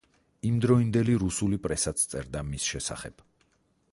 იმდროინდელი რუსული პრესაც წერდა მის შესახებ.